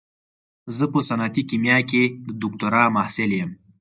زه په صنعتي کيميا کې د دوکتورا محصل يم.